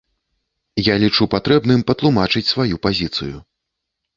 Я лічу патрэбным патлумачыць сваю пазіцыю.